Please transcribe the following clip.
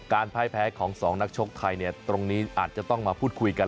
พ่ายแพ้ของสองนักชกไทยเนี่ยตรงนี้อาจจะต้องมาพูดคุยกัน